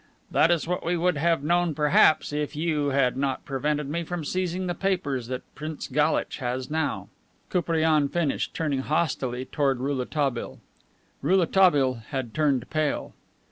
That is what we would have known, perhaps, if you had not prevented me from seizing the papers that Prince Galitch has now," Koupriane finished, turning hostilely toward Rouletabille. Rouletabille had turned pale.